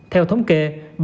theo thống kê